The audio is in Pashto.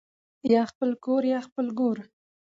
ـ يا خپل کور يا خپل ګور.